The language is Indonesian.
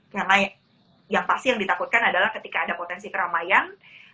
karena yang pasti yang ditakutkan adalah ketika ada potensi keramaian